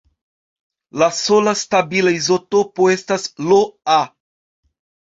La sola stabila izotopo estas La.